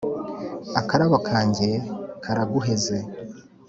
Akarabo kanjye karaguheze